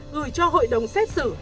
gửi cho hội đồng xét xử